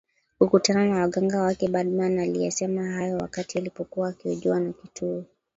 kukutana na waganga wake Badman aliyasema hayo wakati alipokuwa akihojiwa na kituo